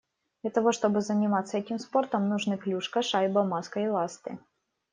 Для того, чтобы заниматься этим спортом нужны клюшка, шайба, маска и ласты.